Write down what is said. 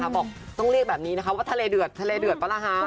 บอกต้องเรียกแบบนี้ว่าทะเลเดือดป่ะล่ะฮ้า